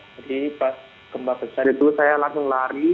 jadi pas gempa besar itu saya langsung lari